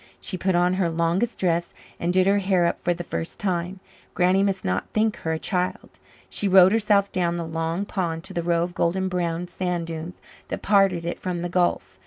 She put on her longest dress and did her hair up for the first time. Granny must not think her a child. She rowed herself down the long pond to the row of golden brown sand dunes that parted it from the gulf.